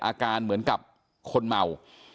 อาการเหมือนกับคนเมา